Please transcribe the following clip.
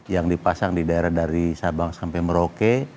yang dipasang di daerah dari sabang sampai merauke